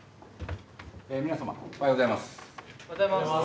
おはようございます。